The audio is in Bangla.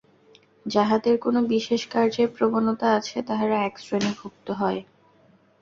যাহাদের কোন বিশেষ কার্যের প্রবণতা আছে, তাহারা একশ্রেণীভুক্ত হয়।